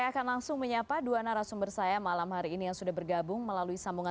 gawat darurat bencana indonesia